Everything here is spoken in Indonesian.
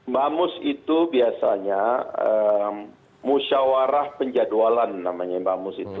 bamus itu biasanya musyawarah penjadwalan namanya bamus itu